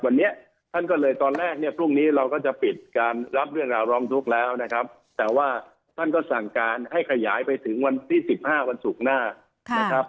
วันนี้ท่านก็เลยตอนแรกเนี่ยพรุ่งนี้เราก็จะปิดการรับเรื่องราวร้องทุกข์แล้วนะครับแต่ว่าท่านก็สั่งการให้ขยายไปถึงวันที่๑๕วันศุกร์หน้านะครับ